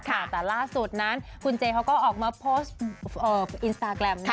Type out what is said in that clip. แต่ล่าสุดนั้นคุณเจเขาก็ออกมาโพสต์อินสตาแกรม